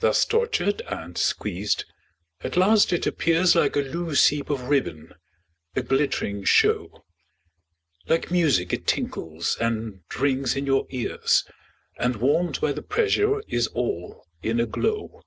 Thus tortured and squeezed, at last it appears Like a loose heap of ribbon, a glittering show, Like music it tinkles and rings in your ears, And warm'd by the pressure is all in a glow.